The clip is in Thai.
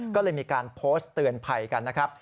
ก็เลยมีการโพสต์เตือนภัยกันนะครับ